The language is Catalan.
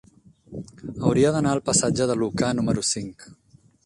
Hauria d'anar al passatge de Lucà número cinc.